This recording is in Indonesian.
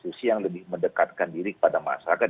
institusi yang lebih mendekatkan diri kepada masyarakat